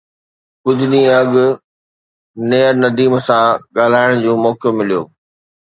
ڪجهه ڏينهن اڳ نيئر نديم سان ڳالهائڻ جو موقعو مليو